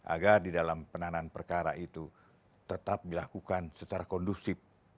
agar di dalam penanganan perkara itu tetap dilakukan secara kondusif